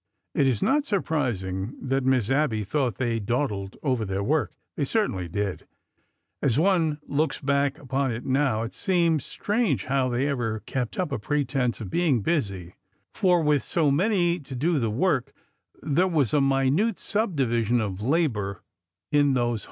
It is not surprising that Miss Abby thought they daw dled over their work. They certainly did. As one looks back upon it now, it seems strange how they ever kept up a pretense of being busy; for, with so many to do the work, there was a minute subdivision of labor in those 74 ORDER NO.